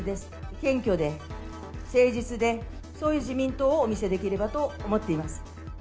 謙虚で誠実でそういう自民党をお見せできればと思っています。